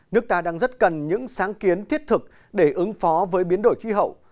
nước ta đang rất cần những sáng kiến thiết thực để ứng phó với biến đổi khí hậu